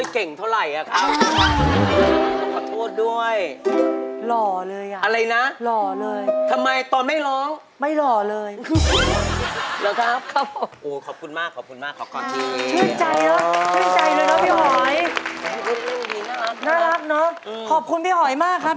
ขอบคุณพี่หอยมากครับพี่หอยครับ